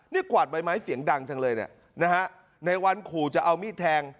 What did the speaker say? นี่กวาดใบไม้เสียงดังจังเลยเนี่ยนะฮะในวันขู่จะเอามีดแทง